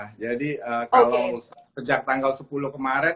kalau sejak tanggal sepuluh kemarin